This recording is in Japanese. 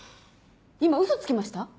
今ウソつきました？